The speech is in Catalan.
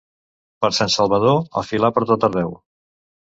Per Sant Salvador, a filar per tot arreu.